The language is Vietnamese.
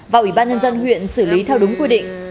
và ủy ban nhân dân huyện xử lý theo đúng quy định